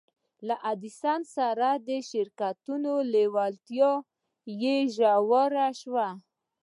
له ايډېسن سره د شراکت لېوالتیا يې لا ژوره شوه.